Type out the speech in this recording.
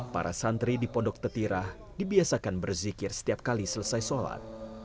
para santri di pondok tetirah dibiasakan berzikir setiap kali selesai sholat